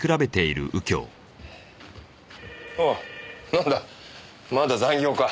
なんだまだ残業か？